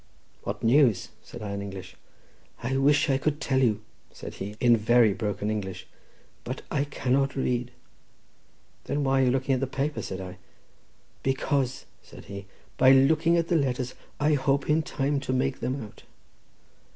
"What news?" said I in English. "I wish I could tell you," said he in very broken English; "but I cannot read." "Then why are you looking at the paper?" said I. "Because," said he, "by looking at the letters I hope in time to make them out."